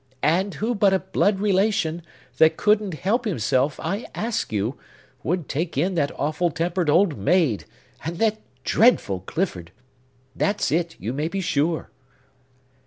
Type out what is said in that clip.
And who but a blood relation, that couldn't help himself, I ask you, would take in that awful tempered old maid, and that dreadful Clifford? That's it, you may be sure."